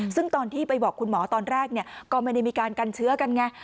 ซึ่งตอนที่ไปบอกคุณหมอตอนแรกก็ไม่ได้มีการกันเชื้อกันไง